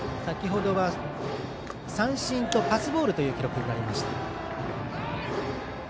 三振とパスボールという記録になりました。